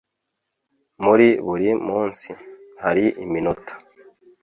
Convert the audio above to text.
muri buri munsi, hari iminota